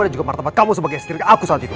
dan juga martabat kamu sebagai istri aku saat itu